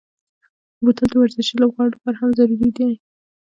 بوتل د ورزشي لوبغاړو لپاره هم ضروري دی.